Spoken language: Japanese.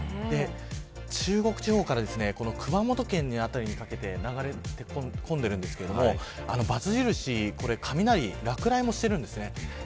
中国地方から熊本県の辺りにかけて流れ込んでいるんですけどばつ印これ落雷までしているんですね。